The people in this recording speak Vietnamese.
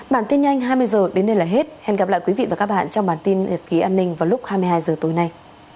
bản tin nhanh hai mươi h đến đây là hết hẹn gặp lại quý vị và các bạn trong bản tin nhật ký an ninh vào lúc hai mươi hai h tối nay